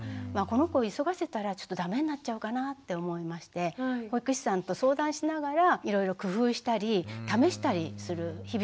この子急がせたらちょっとだめになっちゃうかなって思いまして保育士さんと相談しながらいろいろ工夫したり試したりする日々だったんですよね。